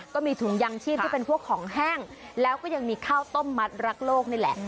ก็มีถุงยางชีพที่เป็นพวกของแห้งแล้วก็ยังมีข้าวต้มมัดรักโลกนี่แหละ